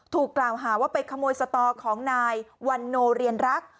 ถูกกล่าวหาว่าไปขโมยสตอของนายวันโนเรียนรัก